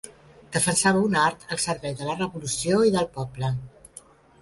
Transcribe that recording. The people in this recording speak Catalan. Defensava un art al servei de la revolució i del poble.